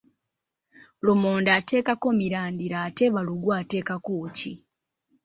Lumonde ateekako mirandira ate balugu ateekako ki?